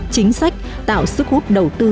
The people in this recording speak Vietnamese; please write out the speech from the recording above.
chính sách tạo sức hút đầu tư